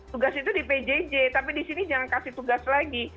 tugas itu di pjj tapi di sini jangan kasih tugas lagi